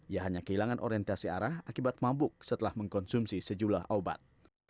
ia hanya kehilangan orientasi arah akibat mabuk setelah mengkonsumsi sejumlah obat